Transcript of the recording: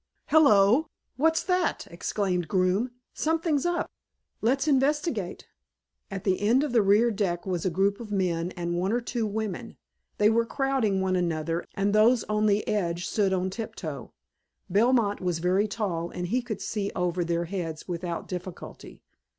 "Hello! What's that?" exclaimed Groome. "Something's up. Let's investigate." At the end of the rear deck was a group of men and one or two women. They were crowding one another and those on the edge stood on tiptoe. Belmont was very tall and he could see over their heads without difficulty.